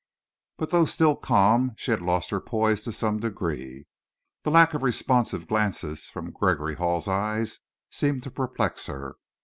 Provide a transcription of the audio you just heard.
But though still calm, she had lost her poise to some degree. The lack of responsive glances from Gregory Hall's eyes seemed to perplex her.